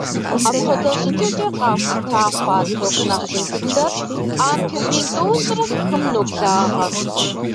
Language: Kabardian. Апхуэдэ щӏыкӏэкӏэ къахута хъуа ток нэхъ ин дыдэр ампер мин тӏощӏрэ хым ноблагъэ.